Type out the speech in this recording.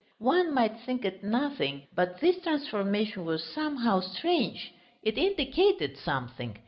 One might think it nothing, but this transformation was somehow strange; it indicated something.